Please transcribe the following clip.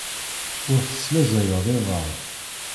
Ur teslaẓayeḍ iḍan.